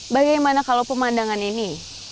bagaimana kalau pemandangan ini